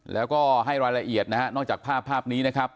แล้วก็ให้รายละเอียดนะฮะนอกจากภาพภาพนี้นะครับ